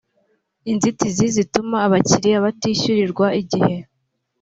inzitizi zituma abakiliya batishyurirwa igihe